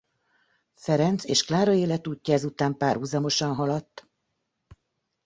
Ferenc és Klára életútja ezután párhuzamosan haladt.